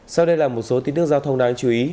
sau đây là một số tin tức giao thông đáng chú ý